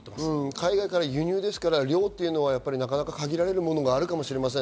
海外から輸入ですから量は限られるものがあるかもしれません。